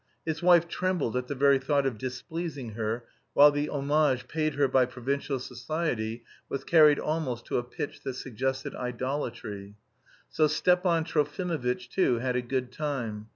His wife trembled at the very thought of displeasing her, while the homage paid her by provincial society was carried almost to a pitch that suggested idolatry. So Stepan Trofimovitch, too, had a good time.